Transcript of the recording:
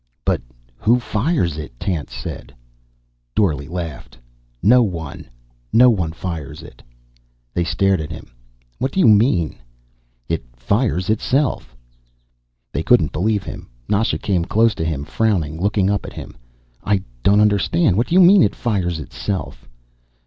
"But who fires it?" Tance said. Dorle laughed. "No one. No one fires it." They stared at him. "What do you mean?" "It fires itself." They couldn't believe him. Nasha came close to him, frowning, looking up at him. "I don't understand. What do you mean, it fires itself?"